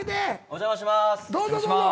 お邪魔します。